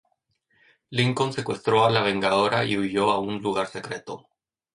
Lincoln secuestró a la Vengadora y huyó a un lugar secreto.